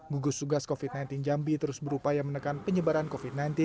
gugus tugas covid sembilan belas jambi terus berupaya menekan penyebaran covid sembilan belas